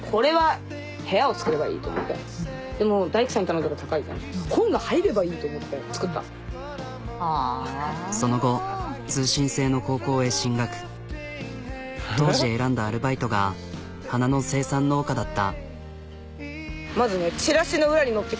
何かね１回ねとうとうでその後通信制の高校へ進学当時選んだアルバイトが花の生産農家だった。